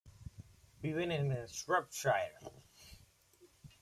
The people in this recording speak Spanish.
Viven en Shropshire.